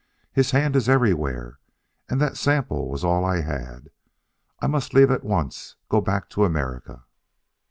His hand is everywhere.... And that sample was all I had.... I must leave at once go back to America."